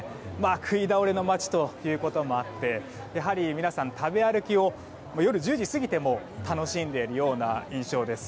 食い倒れの街ということもあって皆さん、食べ歩きを夜１０時過ぎても楽しんでいる印象です。